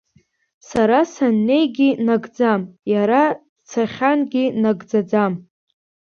Сара саннеигьы нагӡам, иара дцахьан-гьы нагӡаӡам.